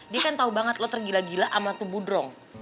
dia kan tau banget lo tergila gila sama tuh budrong